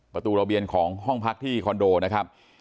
ประตูระเบียนของห้องพักที่คอนโดนะครับ